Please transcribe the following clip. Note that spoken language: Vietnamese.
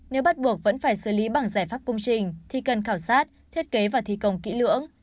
nếu bắt buộc vẫn phải xử lý bằng giải pháp công trình thì cần khảo sát thiết kế và thi công kỹ lưỡng